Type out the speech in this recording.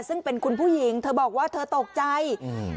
ซึ่งเป็นคุณผู้หญิงเธอบอกว่าเธอตกใจอืม